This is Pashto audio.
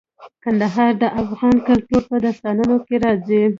کندهار د افغان کلتور په داستانونو کې راځي.